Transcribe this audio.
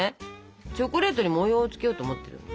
チョコレートに模様をつけようと思ってるんで。